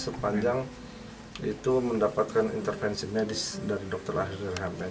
sepanjang itu mendapatkan intervensi medis dari dokter lahir